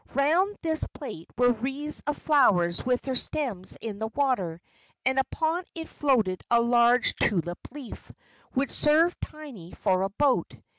Round this plate were wreaths of flowers with their stems in the water, and upon it floated a large tulip leaf, which served Tiny for a boat.